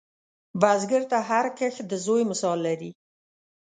بزګر ته هر کښت د زوی مثال لري